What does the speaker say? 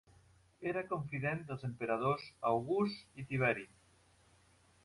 Era confident dels emperadors August i Tiberi.